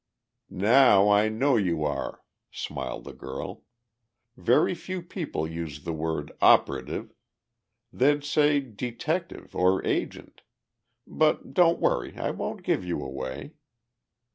"Now I know you are," smiled the girl. "Very few people use the word 'operative.' They'd say 'detective' or 'agent.' But don't worry, I won't give you away."